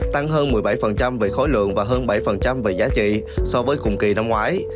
tăng hơn một mươi bảy về khối lượng và hơn bảy về giá trị so với cùng kỳ năm ngoái